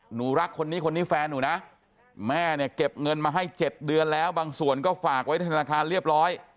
หนูรักคนนี้คนนี้แฟนหนูนะแม่เนี่ยเก็บเงินมาให้๗เดือนแล้วบางส่วนก็ฝากไว้ธนาคารเรียบร้อย